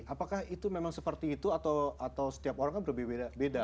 apakah itu memang seperti itu atau setiap orang kan berbeda beda